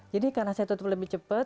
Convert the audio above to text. jadi karena saya tutup lebih cepat